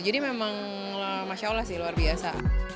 jadi memang masya allah sih luar biasa